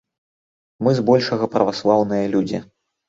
Мы збольшага праваслаўныя людзі.